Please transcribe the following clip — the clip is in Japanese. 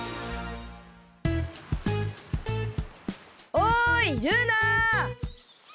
おいルーナ！